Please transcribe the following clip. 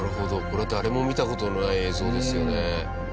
これは誰も見た事のない映像ですよね。